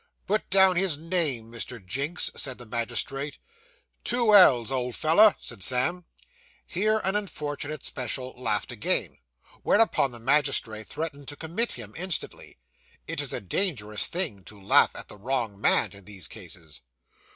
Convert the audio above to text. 'Put down his name, Mr. Jinks,' said the magistrate. 'Two L's, old feller,' said Sam. Here an unfortunate special laughed again, whereupon the magistrate threatened to commit him instantly. It is a dangerous thing to laugh at the wrong man, in these cases.